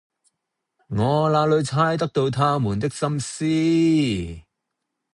我那裏猜得到他們的心思，